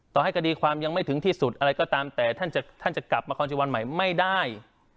ต่อให้คดีความยังไม่ถึงที่สุดอะไรก็ตามแต่ท่านจะกลับมาคอนจีวันใหม่ไม่ได้